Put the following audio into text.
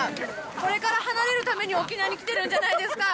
これから離れるために、沖縄に来てるんじゃないですか。